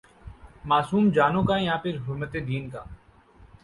معصوم جانوں کا یا پھرحرمت دین کا؟